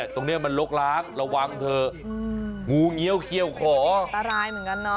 ตรงนี้มันโรคร้ำระวังเถอะงูเงียวมีอัตรายเหมือนกันเนาะ